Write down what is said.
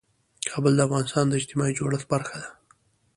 کابل د افغانستان د اجتماعي جوړښت برخه ده.